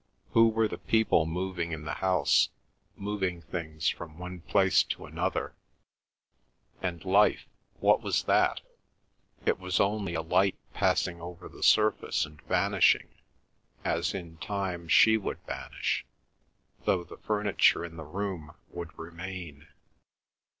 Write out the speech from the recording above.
Who were the people moving in the house—moving things from one place to another? And life, what was that? It was only a light passing over the surface and vanishing, as in time she would vanish, though the furniture in the room would remain.